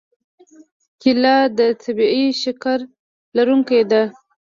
کېله د طبیعي شکر لرونکې ده.